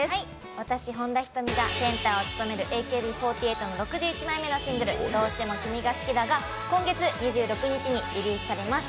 私、本田仁美がセンターを務めるＡＫＢ４８の６１枚目のシングル「どうしても君が好きだ」が今月２６日にリリースされます。